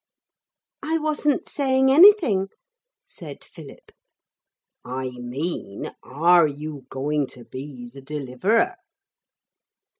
'I wasn't saying anything,' said Philip. 'I mean are you going to be the Deliverer?'